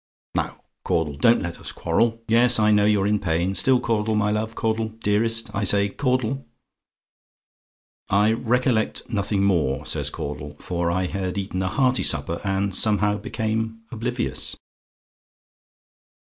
"Now, Caudle, don't let us quarrel. Yes, I know you're in pain. Still, Caudle, my love; Caudle! Dearest, I say! Caudle!" "I recollect nothing more," says Caudle, "for I had eaten a hearty supper, and somehow became oblivious."